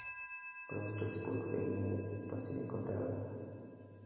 Pregunto si puedo seguir en este espacio y contar algo más.